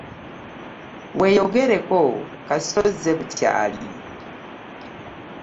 Weeyogereko kasita ozze bukyali.